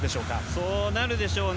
そうなるでしょうね。